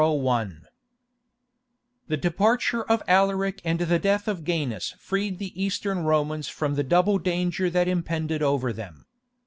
] The departure of Alaric and the death of Gainas freed the Eastern Romans from the double danger that has impended over them.